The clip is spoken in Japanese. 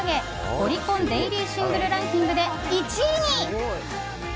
オリコンデイリーシングルランキングで１位に。